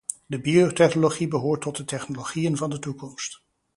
De biotechnologie behoort tot de technologieën van de toekomst.